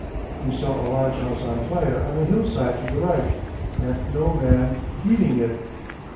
He saw a large house on fire on a hillside to the right, and no man heeding it....